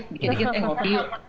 dikit dikit ya kopi